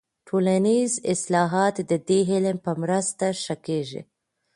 ټولنیز اصلاحات د دې علم په مرسته ښه کیږي.